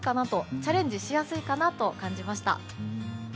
チャレンジしやすいかなと感じました。